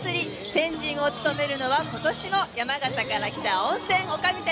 先陣を務めるのは今年も山形から来た温泉女将たち。